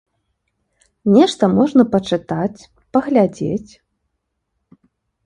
Нешта можна пачытаць, паглядзець.